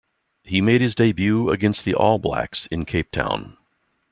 He made his debut against the All Blacks in Cape Town.